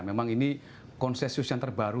memang ini konsensus yang terbaru